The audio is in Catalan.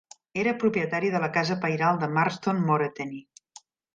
Era propietari de la casa pairal de Marston Moreteyne.